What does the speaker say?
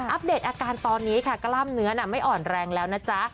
เดตอาการตอนนี้ค่ะกล้ามเนื้อไม่อ่อนแรงแล้วนะจ๊ะ